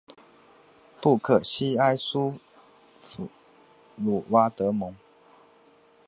布克西埃苏弗鲁瓦德蒙。